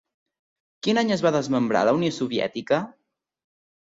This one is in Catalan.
Quin any es va desmembrar la Unió Soviètica?